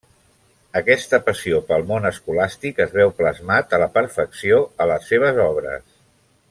Aquesta passió pel món escolàstic es veu plasmat a la perfecció a les seves obres.